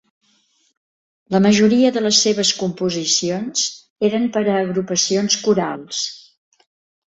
La majoria de les seves composicions eren per a agrupacions corals.